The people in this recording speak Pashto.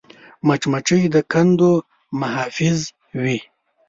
مچمچۍ د کندو محافظ وي